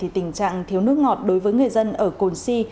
tình trạng thiếu nước ngọt đối với người dân ở cồn si